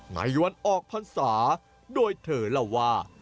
ในวันออกพันษาโดยเถาระว่า